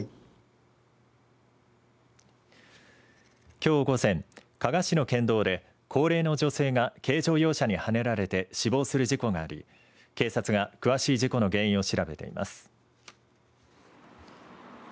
きょう午前加賀市の県道で高齢の女性が軽乗用車にはねられて死亡する事故があり警察が詳しい事故の原因を調べています。